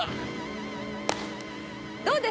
どうです？